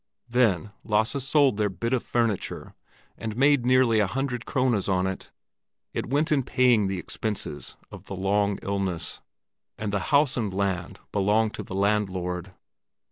Then Lasse sold their bit of furniture, and made nearly a hundred krones on it; it went in paying the expenses of the long illness, and the house and land belonged to the landlord.